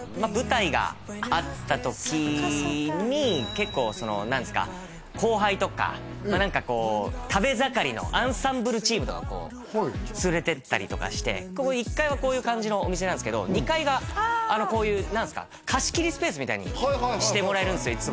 舞台があった時に結構何ですか後輩とか何かこう食べ盛りのアンサンブルチームとか連れてったりとかして１階はこういう感じのお店ですけど２階がこういう何すか貸し切りスペースみたいにしてもらえるんですよ